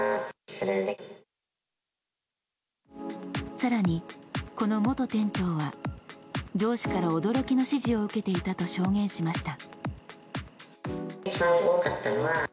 更にこの元店長は、上司から驚きの指示を受けていたと証言しました。